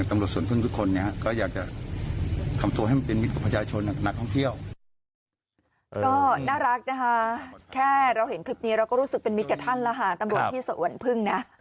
ตำรวจที่ส่วนพึ่งนะ